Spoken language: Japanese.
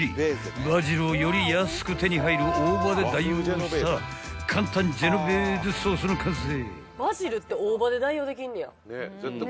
［バジルをより安く手に入る大葉で代用した簡単ジェノベーゼソースの完成］